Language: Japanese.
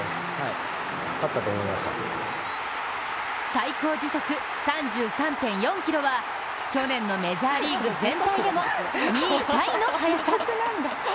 最高時速３３．４キロは去年のメジャーリーグ全体でも２位タイの速さ。